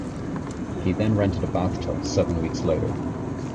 He then rented a bathtub seven weeks later.